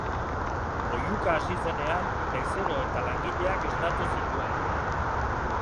Oihuka hasi zenean, bezero eta langileak esnatu zituen.